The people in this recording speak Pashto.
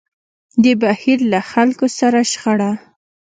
د بهير له خلکو سره شخړه.